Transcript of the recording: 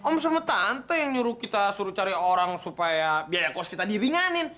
om sama tante yang nyuruh kita suruh cari orang supaya biaya kos kita diringanin